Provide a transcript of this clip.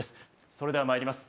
それではまいります